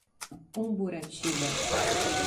Umburatiba